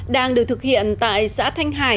đang được thực hiện tại xã thanh hải